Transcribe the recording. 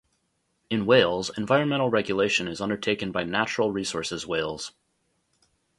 In Wales environmental regulation is undertaken by Natural Resources Wales.